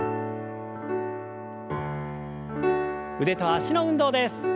腕と脚の運動です。